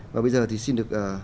và bây giờ thì xin được